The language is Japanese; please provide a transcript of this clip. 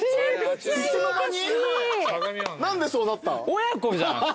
何でそうなった？